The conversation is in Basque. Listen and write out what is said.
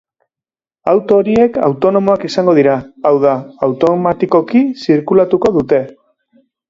Auto horiek autonomoak izango dira, hau da, automatikoki zirkulatuko dute.